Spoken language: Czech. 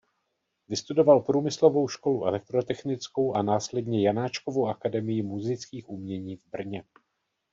Vystudoval průmyslovou školu elektrotechnickou a následně Janáčkovu akademii múzických umění v Brně.